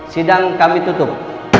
sidang kami tutup